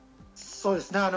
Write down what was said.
そうですね。